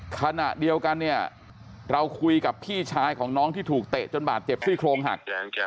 ขณะเดียวกันเนี่ยเราคุยกับพี่ชายของน้องที่ถูกเตะจนบาดเจ็บซี่โครงหัก